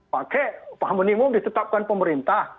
pakai upah minimum ditetapkan pemerintah